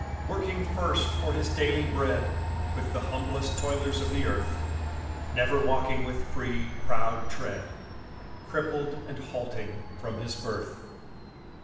Working first for his daily bread With the humblest toilers of the earth; Never walking with free, proud tread Crippled and halting from his birth.